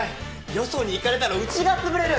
よそに行かれたらうちが潰れる！